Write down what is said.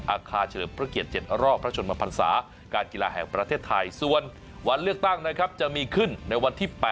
อาคารเฉลิมพระเกียรติ๗รอบพระชนมพันศาการกีฬาแห่งประเทศไทยส่วนวันเลือกตั้งนะครับจะมีขึ้นในวันที่๘